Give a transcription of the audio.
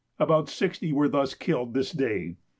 About sixty were thus killed this day.